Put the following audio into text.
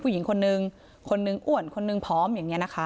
ผู้หญิงคนนึงคนนึงอ้วนคนนึงพร้อมอย่างนี้นะคะ